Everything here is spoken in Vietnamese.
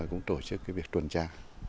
cũng tổ chức việc tuần tra